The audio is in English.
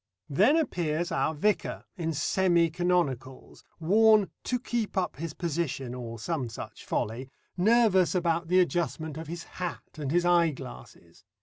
Then appears our vicar in semi canonicals, worn "to keep up his position," or some such folly, nervous about the adjustment of his hat and his eyeglasses.